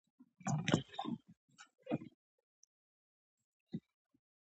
د زړه روغتیا د بدن عمومي روغتیا ښيي.